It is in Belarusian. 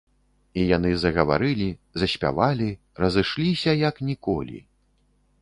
І яны загаварылі, заспявалі, разышліся, як ніколі.